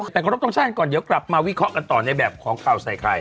แต่ครบต้องแช่งก่อนเดี๋ยวกลับมาวิเคราะห์กันต่อในแบบของกล้าวไซคาย